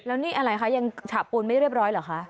แล้วนี่อะไรคะยังฉะปูนไม่เรียบร้อยเหรอคะ